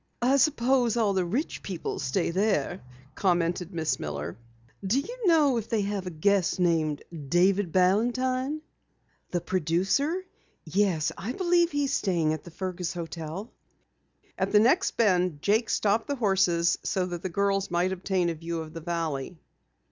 "I suppose all the rich people stay there," commented Miss Miller. "Do you know if they have a guest named David Balantine?" "The producer? Yes, I believe he is staying at the Fergus hotel." At the next bend Jake stopped the horses so that the girls might obtain a view of the valley.